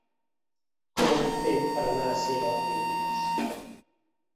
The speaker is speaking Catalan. Com ho puc fer per anar a Seva dimecres?